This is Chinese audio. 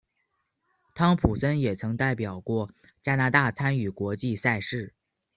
汤普森也曾代表过加拿大参与国际赛事。